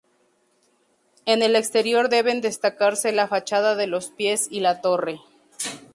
En el exterior deben destacarse la fachada de los pies y la torre.